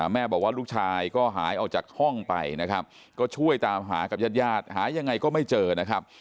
แม่บอกว่าลูกชายก็หายออกจากห้องไปนะครับก็ช่วยตามหากับญาติญาติหายังไงก็ไม่เจอนะครับ